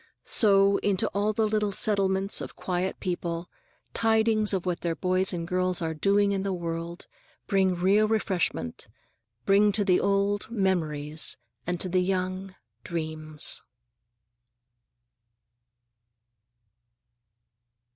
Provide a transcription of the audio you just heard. So, into all the little settlements of quiet people, tidings of what their boys and girls are doing in the world bring real refreshment; bring to the old, memories, and to the young, dreams.